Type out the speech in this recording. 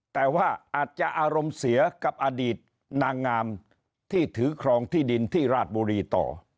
แต่ว่าอาจจะอารมณ์เสียกับอดีตนางงามที่ถือครองที่ดินที่ราชบุรีต่อ